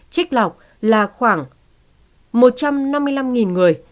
chích lọc là khoảng một trăm năm mươi năm người